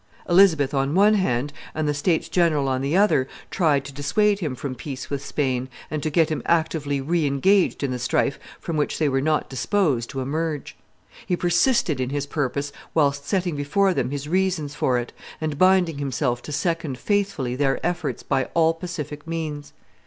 Elizabeth on one hand and the states general on the other tried to dissuade him from peace with Spain, and to get him actively re engaged in the strife from which they were not disposed to emerge. He persisted in his purpose whilst setting before them his reasons for it, and binding himself to second faithfully their efforts by all pacific means.